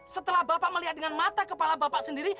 setelah bapak melihat dengan mata kepala bapak sendiri